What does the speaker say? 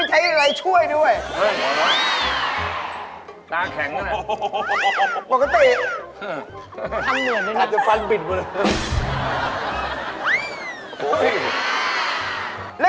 เออสดใจอยู่เลยอ่ะสดใจนี่อดนอนมาเดือนกว่าแล้ว